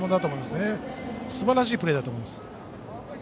すばらしいプレーだと思います。